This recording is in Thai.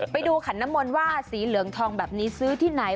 ไปดูขันน้ำมนต์ว่าสีเหลืองทองแบบนี้ซื้อที่ไหน